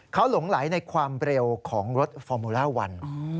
เขาหลงไหลในความเร็วของรถฟอร์มูล่าวัน